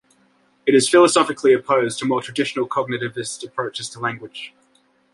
It is philosophically opposed to more traditional cognitivist approaches to language.